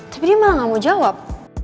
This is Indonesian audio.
tapi dia malah gak mau jawab